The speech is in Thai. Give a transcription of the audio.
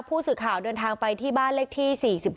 ผู้สื่อข่าวเดินทางไปที่บ้านเลขที่๔๖